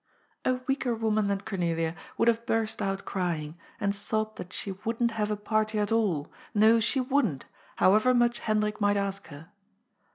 184 GOD'S FOOL. A weaker woman than Cornelia would have bnrst out cr3ring, and sobbed that she wouldn't have a party at all, no, she wouldn't, however much Hendrik might ask her.